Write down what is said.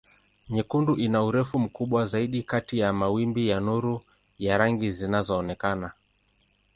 Nyekundu ina urefu mkubwa zaidi kati ya mawimbi ya nuru ya rangi zinazoonekana.